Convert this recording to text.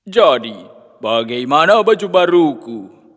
jadi bagaimana baju baruku